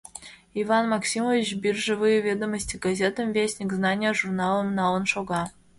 Иван Максимович «Биржевые ведомости» газетым, «Вестник знания» журналым налын шога.